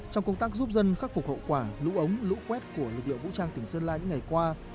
trong công tác giúp dân khắc phục hậu quả lũ ống lũ quét của lực lượng vũ trang tỉnh sơn la những ngày qua